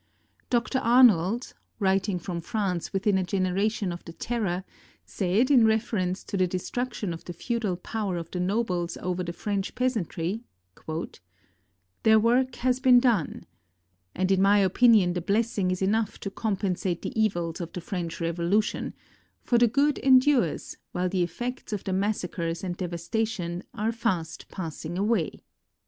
Dr. Arnold, writing from France within a generation of the Terror, said in reference to the destruction of the feudal power of the nobles over the French peasantry: "The work has been done … and in my opinion the blessing is enough to compensate the evils of the French Revolution; for the good endures, while the effects of the massacres and devastation are fast passing away."